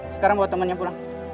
sekarang bawa temennya pulang